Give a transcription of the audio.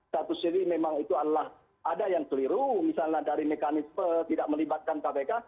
satu sisi memang itu adalah ada yang keliru misalnya dari mekanisme tidak melibatkan kpk